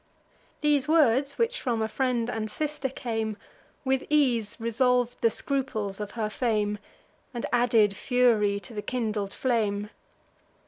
These words, which from a friend and sister came, With ease resolv'd the scruples of her fame, And added fury to the kindled flame.